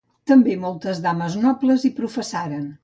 També, moltes dames nobles hi professaren.